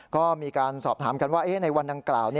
ก็มีการสอบถามกันว่าในวันดังกล่าว